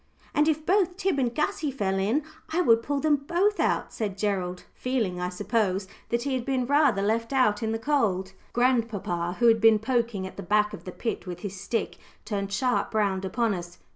"And if both Tib and Gussie fell in I would pull them both out," said Gerald, feeling, I suppose, that he had been left rather out in the cold. Grandpapa, who had been poking at the back of the pit with his stick, turned sharp round upon us.